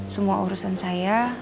semua urusan saya